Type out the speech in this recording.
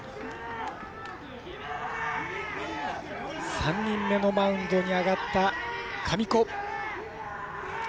３人目のマウンドに上がった神子。